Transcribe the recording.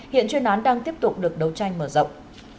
hiện chuyên án đang tiếp tục được đấu tranh mở rộng